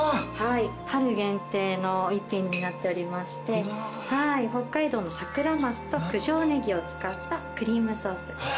春限定の一品になっておりまして北海道のサクラマスと九条ネギを使ったクリームソース。